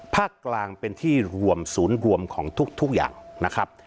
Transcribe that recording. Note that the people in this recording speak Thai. ภาคกลางเป็นที่รวมศูนย์รวมของทุกอย่างนะครับ